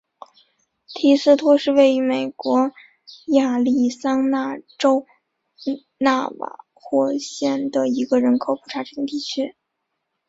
提斯托是位于美国亚利桑那州纳瓦霍县的一个人口普查指定地区。